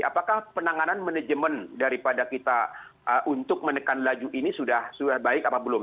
apakah penanganan manajemen daripada kita untuk menekan laju ini sudah baik apa belum